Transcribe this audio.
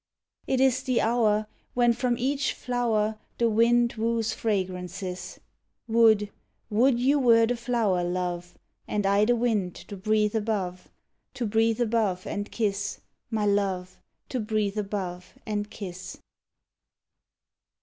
It is the hour When from each flower The wind woos fragrances Would, would you were the flower, love, And I the wind to breathe above, To breathe above and kiss, My love, To breathe above and kiss.